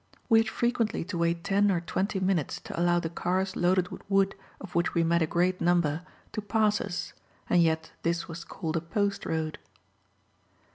We had frequently to wait ten or twenty minutes to allow the cars loaded with wood, of which we met a great number, to pass us, and yet this was called a post road.